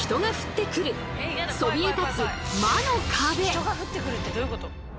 そして人が降ってくるってどういうこと？